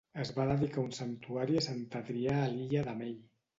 Es va dedicar un santuari a Sant Adrià a l'illa de May.